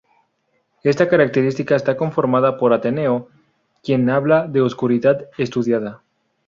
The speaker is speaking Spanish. Esta característica está confirmada por Ateneo, quien habla de oscuridad estudiada.